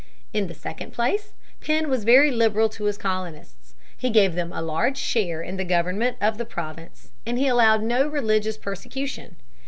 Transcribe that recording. In the second place, Penn was very liberal to his colonists. He gave them a large share in the government of the province and he allowed no religious persecution.